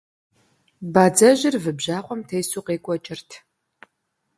Бадзэжьыр вы бжьакъуэм тесу къекӀуэкӀырт.